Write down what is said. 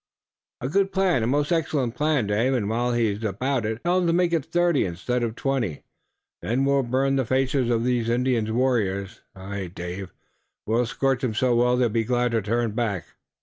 "A good plan, a most excellent plan, Dave! And while he's about it, tell him to make it thirty instead of twenty. Then we'll burn the faces of these Indian warriors. Aye, Dave, we'll scorch 'em so well that they'll be glad to turn back!"